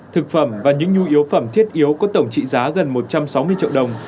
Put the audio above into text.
thực phẩm và những nhu yếu phẩm thiết yếu có tổng trị giá gần một trăm sáu mươi triệu đồng